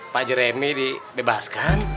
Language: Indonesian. pak jeremy dibebaskan